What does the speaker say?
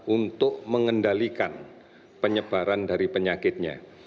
untuk mengendalikan penyebaran dari penyakitnya